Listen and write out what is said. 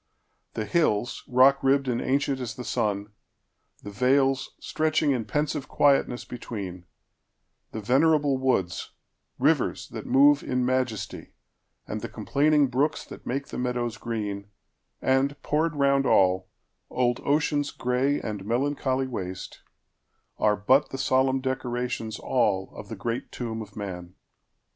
The hillsRock ribbed and ancient as the sun; the valesStretching in pensive quietness between; The venerable woods—rivers that moveIn majesty, and the complaining brooksThat make the meadows green; and, poured round all, Old Ocean's gray and melancholy waste,—Are but the solemn decorations allOf the great tomb of man!